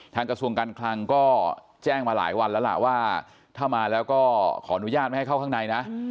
กระทรวงการคลังก็แจ้งมาหลายวันแล้วล่ะว่าถ้ามาแล้วก็ขออนุญาตไม่ให้เข้าข้างในนะ